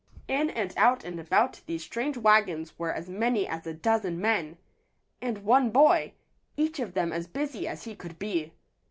In and out and about these strange wagons were as many as a dozen men, and one boy each of them as busy as he could be.